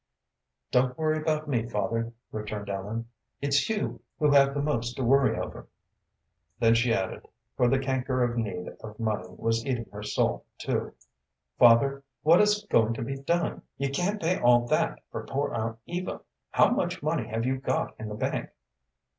"Don't worry about me, father," returned Ellen. "It's you who have the most to worry over." Then she added for the canker of need of money was eating her soul, too "Father, what is going to be done? You can't pay all that for poor Aunt Eva. How much money have you got in the bank?"